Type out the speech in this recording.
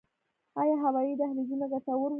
آیا هوایي دهلیزونه ګټور وو؟